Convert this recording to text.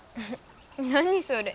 何それ？